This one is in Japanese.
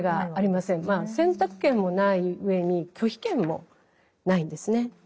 選択権もない上に拒否権もないんですね。